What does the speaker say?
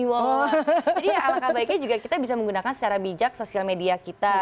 jadi alangkah baiknya juga kita bisa menggunakan secara bijak sosial media kita